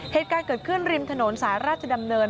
เหตุการณ์เกิดขึ้นริมถนนสายราชดำเนิน